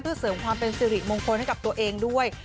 เพื่อเสริมความเป็นสิริมงคลให้กับตัวเองด้วย